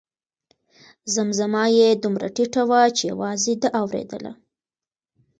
زمزمه یې دومره ټیټه وه چې یوازې ده اورېدله.